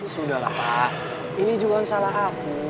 sudahlah pak ini juga salah aku